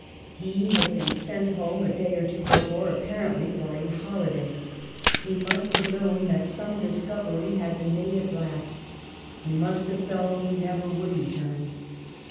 He had been sent home a day or two before, apparently for a holiday. He must have known that some discovery had been made at last ; he must have felt he never would return.